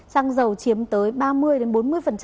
xăng dầu chiếm tới ba mươi đến bốn mươi